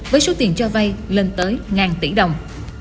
với số tiền cho vay lên tới ngàn tỷ đồng